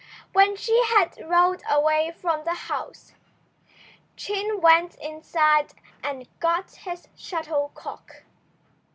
When she had rowed away from the house, Chin went inside and got his shuttlecock.